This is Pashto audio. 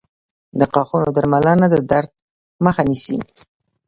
• د غاښونو درملنه د درد مخه نیسي.